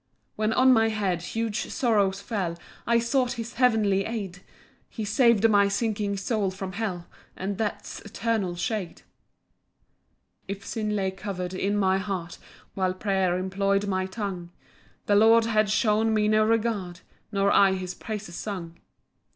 3 When on my head huge sorrows fell, I sought his heavenly aid, He sav'd my sinking soul from hell, And death's eternal shade. 4 If sin lay cover'd in my heart, While prayer employ'd my tongue, The Lord had shewn me no regard, Nor I his praises sung.